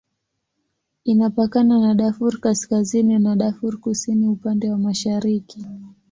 Inapakana na Darfur Kaskazini na Darfur Kusini upande wa mashariki.